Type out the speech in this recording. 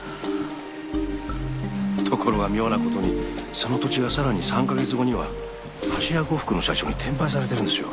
ところが妙なことにその土地がさらに３カ月後にはましや呉服の社長に転売されてるんですよ。